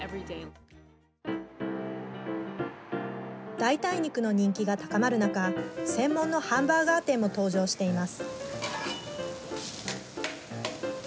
代替肉の人気が高まる中専門のハンバーガー店も登場しています。